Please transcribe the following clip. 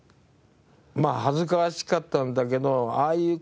恥ずかしかったんだけどああいう